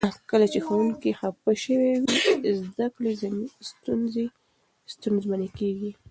کله چې ښوونکي خفه شوي وي، زده کړې ستونزمنې کیږي.